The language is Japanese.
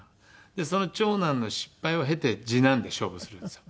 でその長男の失敗を経て次男で勝負するんですよ。